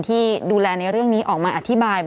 ที่ดูแลในเรื่องนี้ออกมาอธิบาย